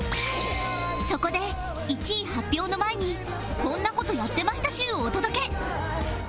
そこで１位発表の前にこんな事やってました集をお届け